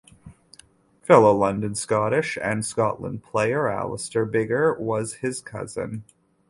Fellow London Scottish and Scotland player Alastair Biggar was his cousin.